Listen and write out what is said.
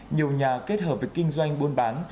nhiều nhà kết hợp với kinh doanh buôn bán